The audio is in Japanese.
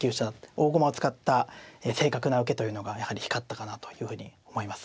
大駒を使った正確な受けというのがやはり光ったかなというふうに思います。